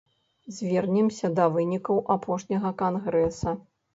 Звернемся да вынікаў апошняга кангрэса.